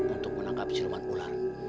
untuk menangkap siluman ular